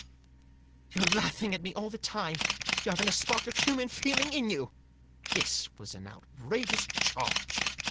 " You're laughing at me all the time ; you haven't a spark of human feeling in you!" This was an outrageous charge.